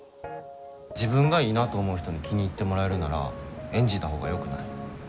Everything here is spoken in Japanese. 自分がいいなと思う人に気に入ってもらえるなら演じたほうがよくない？